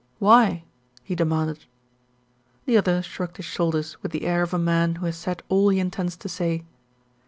"Why?" he demanded. The other shrugged his shoulders with the air of a man who has said all he intends to say.